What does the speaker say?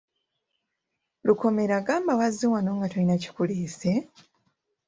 Lukomera gamba wazze wano nga tolina kikuleese?